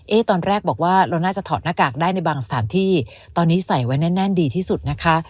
ตอนแรกบอกว่าเราน่าจะถอดหน้ากากได้ในบางสถานที่ตอนนี้ใส่ไว้แน่นดีที่สุดนะคะ